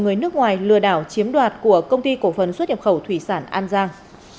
người nước ngoài lừa đảo chiếm đoạt của công ty cổ phấn xuất hiệp khẩu thủy sản an giang